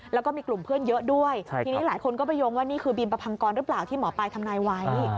แล้วก็มีกลุ่มเพื่อนเยอะด้วยทีนี้หลายคนก็ไปโยงว่านี่คือบีมประพังกรหรือเปล่าที่หมอปลายทำนายไว้